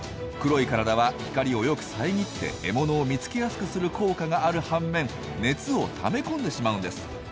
黒い体は光をよくさえぎって獲物を見つけやすくする効果がある半面熱をためこんでしまうんです。